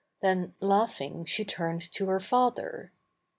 Then laughing she turned to her father.